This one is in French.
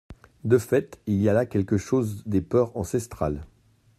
De fait, il y a là quelque chose des peurs ancestrales.